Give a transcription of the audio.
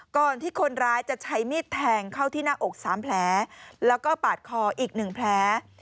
ก่อนที่คนร้ายจะใช้มีดแทงเข้าที่หน้าอก๓แผลแล้วก็ปาดคออีก๑แผล